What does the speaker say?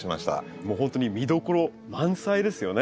もうほんとに見どころ満載ですよね。